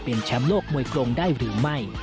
เป็นแชมป์โลกมวยกรงได้หรือไม่